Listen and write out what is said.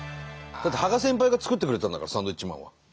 だって芳賀先輩が作ってくれたんだからサンドウィッチマンは。